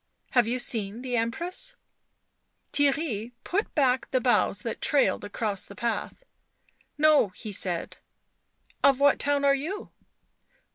Have you seen the Emnress ?" Theirry put back the boughs that trailed across the path. "No," he said. " Of what town are you